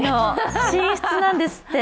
寝室なんですって。